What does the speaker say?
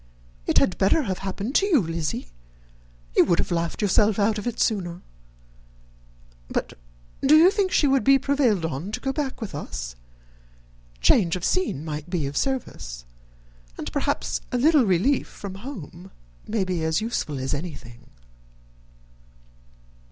It had better have happened to you, Lizzy; you would have laughed yourself out of it sooner. But do you think she would be prevailed on to go back with us? Change of scene might be of service and perhaps a little relief from home may be as useful as anything."